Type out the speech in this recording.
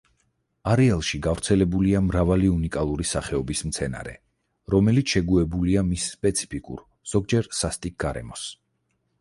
არეალში გავრცელებულია მრავალი უნიკალური სახეობის მცენარე, რომელიც შეგუებულია მის სპეციფიკურ, ზოგჯერ სასტიკ გარემოს.